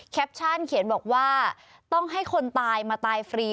ปชั่นเขียนบอกว่าต้องให้คนตายมาตายฟรี